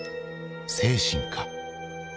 精神か？